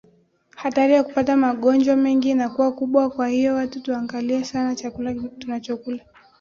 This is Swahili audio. hatari ya kupata magonjwa mengi inakuwa kubwa kwa hiyo watu tuangalie sana chakula tunachokula